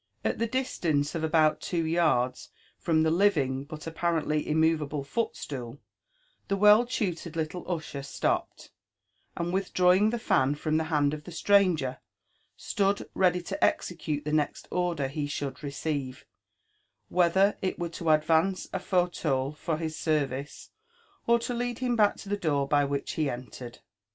At the distance of about two yards from the living but apparently immovable footstool, the well tutored little usher stopped, and with drawing the fan from the hand of the stranger, stood ready to execute the next order he should receive, whether it were to advance difauieuU fpr his service, or to lead him back to the door by which he entered.